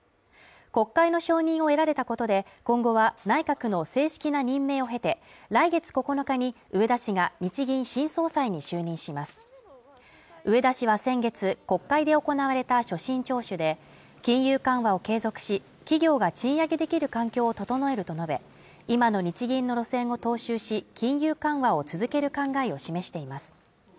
国会の承認を得られたことで、今後は内閣の正式な任命を経て来月９日に植田氏が日銀新総裁に就任します植田氏は先月、国会で行われた所信聴取で金融緩和を継続し、企業が賃上げできる環境を整えると述べ、今の日銀の路線を踏襲し、金融緩和を続ける考えを示しています。